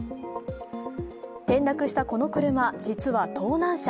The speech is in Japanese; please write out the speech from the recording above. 転落したこの車、実は盗難車。